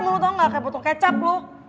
lo tau gak kayak botol kecap lo